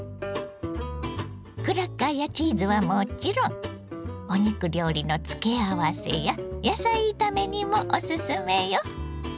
クラッカーやチーズはもちろんお肉料理の付け合わせや野菜炒めにもオススメよ！